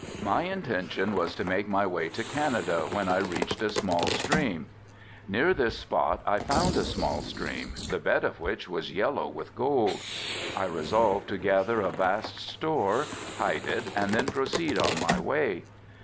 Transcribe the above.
My intention was to make my way to Canada, when I reached a small stream, near this spot I found a small stream the bed of which was yellow with gold. I resolved to gather a vast store, hide it and then proceed on my way.